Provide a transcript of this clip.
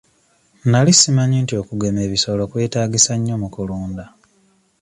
Nali simanyi nti okugema ebisolo kwetaagisa nnyo mu kulunda.